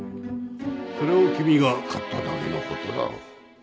それを君が刈っただけの事だろ。